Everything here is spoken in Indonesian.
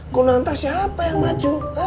kun anta siapa yang maju